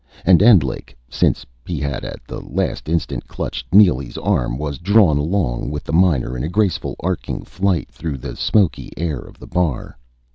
And Endlich, since he had at the last instant clutched Neely's arm, was drawn along with the miner in a graceful, arcing flight through the smoky air of the bar.